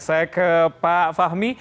saya ke pak fahmi